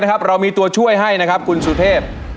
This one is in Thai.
ไม่ใช้ครับ